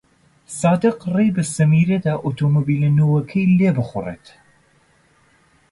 سادق ڕێی بە سەمیرە دا ئۆتۆمۆبیلە نوێیەکەی لێ بخوڕێت.